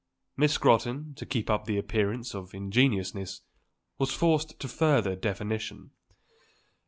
Miss Scrotton, to keep up the appearance of ingenuousness, was forced to further definition.